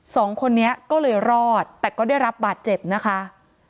สองคนนี้ก็เลยรอดแต่ก็ได้รับบาดเจ็บนะคะ